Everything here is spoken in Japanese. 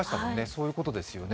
そういうことですもんね。